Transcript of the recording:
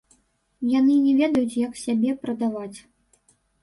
Яны не ведаюць, як сябе прадаваць.